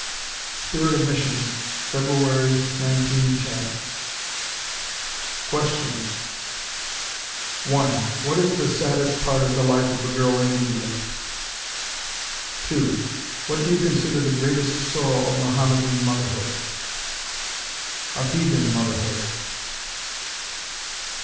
(Spirit of Missions, February, 1910.) QUESTIONS 1. What is the saddest part of the life of a girl in India? 2. What do you consider the greatest sorrow of Mohammedan motherhood? Of heathen motherhood?